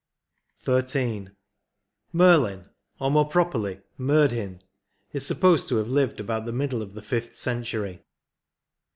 26 XIII. Merlin, or more properly Merdhin, is supposed to have lived about the middle of the fifth cen tury.